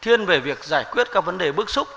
thiên về việc giải quyết các vấn đề bước xúc